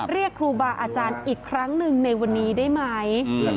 เรียกครูบาอาจารย์อีกครั้งหนึ่งในวันนี้ได้ไหม